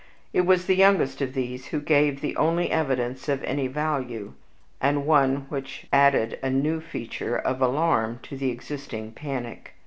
It was the youngest of these who gave the only evidence of any value, and one which added a new feature of alarm to the existing panic.